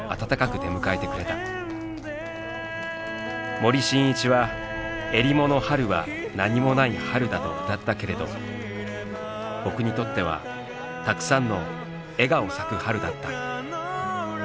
森進一は「襟裳の春は何もない春」だと歌ったけれど「僕」にとってはたくさんの笑顔咲く春だった。